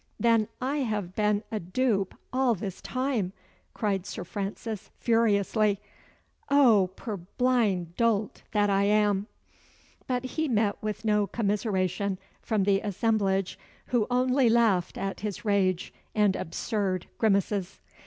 "Then I have been a dupe all this time!" cried Sir Francis furiously. "O, purblind dolt that I am!" But he met with no commiseration from the assemblage, who only laughed at his rage and absurd grimaces.